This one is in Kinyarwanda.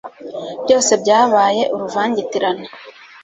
byose byabaye uruvangitirane